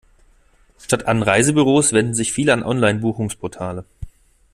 Statt an Reisebüros wenden sich viele an Online-Buchungsportale.